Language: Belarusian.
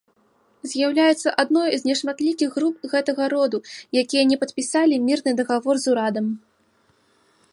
З'яўляецца адной з нешматлікіх груп гэтага роду, якія не падпісалі мірны дагавор з урадам.